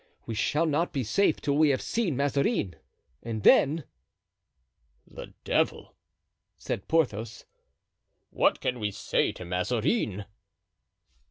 We shall not be safe till we have seen Mazarin, and then——" "The devil!" said Porthos; "what can we say to Mazarin?"